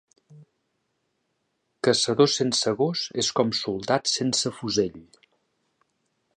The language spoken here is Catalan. Caçador sense gos és com soldat sense fusell.